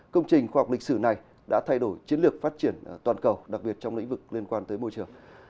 công trình khoa học lịch sử này đã thay đổi chiến lược phát triển toàn cầu đặc biệt trong lĩnh vực liên quan tới môi trường